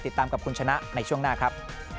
ติดตามกับคุณชนะในช่วงหน้าครับ